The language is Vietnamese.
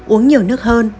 uống nhiều nước hơn